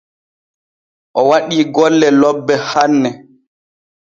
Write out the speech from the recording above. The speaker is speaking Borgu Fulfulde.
O waɗii golle lobbe hanne.